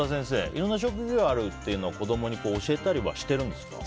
いろんな職業があるというのを子供に教えたりはしてるんですか。